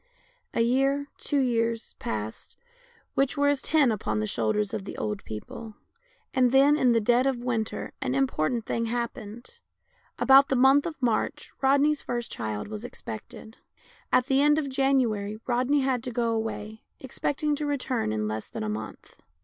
A year, two years, passed, which were as ten upon the shoulders of the old people, and then, in the dead of winter, an important thing happened. About the month of March Rodney's first child was expected. At the end of January Rodney had to go away, expect ing to return in less than a month.